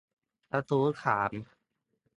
กระทู้ถาม